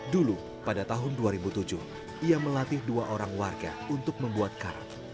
dulu pada tahun dua ribu tujuh ia melatih dua orang warga untuk membuat karak